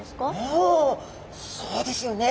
おおそうですよね。